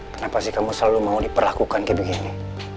kenapa sih kamu selalu mau diperlakukan kayak begini